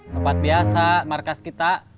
tempat biasa markas kita